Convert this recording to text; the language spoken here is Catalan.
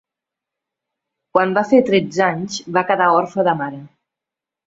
Quan va fer tretze anys, va quedar orfe de mare.